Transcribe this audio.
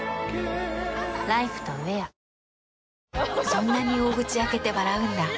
そんなに大口開けて笑うんだ。